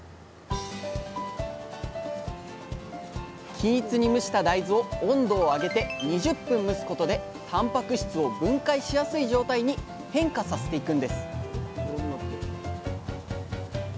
均一に蒸した大豆を温度を上げて２０分蒸すことでたんぱく質を分解しやすい状態に変化させていくんです